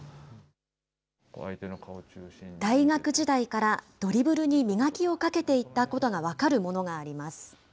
大学時代からドリブルに磨きをかけていたことが分かるものがあります。